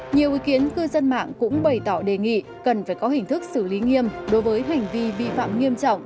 nhiều ý kiến cư dân mạng cũng bày tỏ đề nghị cần phải có hình thức xử lý nghiêm đối với hành vi vi phạm nghiêm trọng